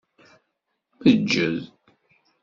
Meǧǧed.